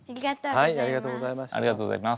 ありがとうございます。